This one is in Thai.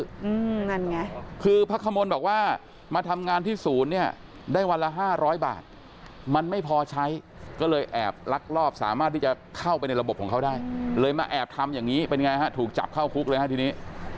อืมนั่นไงคือพระขมลบอกว่ามาทำงานที่ศูนย์เนี่ยได้วันละห้าร้อยบาทมันไม่พอใช้ก็เลยแอบลักลอบสามารถที่จะเข้าไปในระบบของเขาได้เลยมาแอบทำอย่างนี้เป็นไงฮะถูกจับเข้าคุกเลยฮะทีนี้